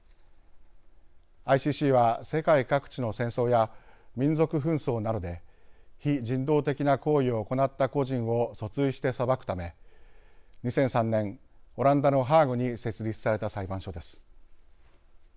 ＩＣＣは、世界各地の戦争や民族紛争などで非人道的な行為を行った個人を訴追して裁くため２００３年、オランダのハーグに設立された裁判所です。